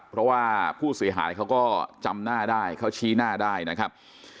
เพราะว่าผู้เสียหายเขาก็จำหน้าได้เขาชี้หน้าได้นะครับ